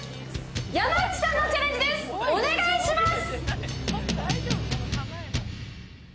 山内さんのチャレンジです、お願いします。